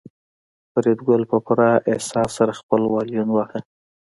فریدګل په پوره احساس سره خپل وایلون واهه